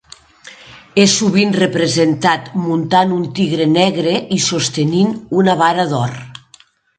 És sovint representat muntant un tigre negre i sostenint una vara d'or.